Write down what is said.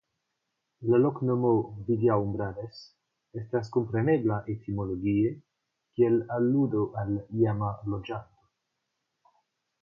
La loknomo "Villaumbrales" estas komprenebla etimologie kiel aludo al iama loĝanto.